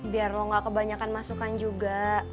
biar lo gak kebanyakan masukan juga